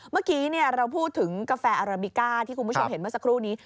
เมื่อกี้เราพูดถึงกาแฟอาราบิก้าที่คุณผู้ชมเห็นเมื่อสักครู่นี้